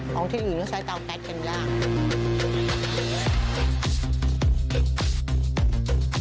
ของที่อื่นใช้เตาแก๊กเช็นยาก